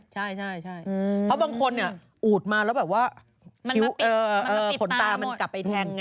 ใช่เพราะบางคนอูดมาแล้วแบบว่าขนตามันกลับไปแทงไง